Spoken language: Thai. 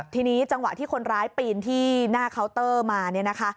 ทีนี้จังหวะที่คนร้ายปีนที่หน้าเคาน์เตอร์มาเนี่ยนะคะ